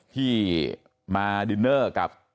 ที่มาดินเจ้อกับ